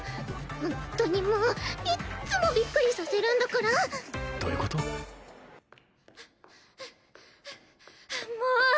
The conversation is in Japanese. ホントにもういっつもびっくりさせるんだからどういうこと？もうっ！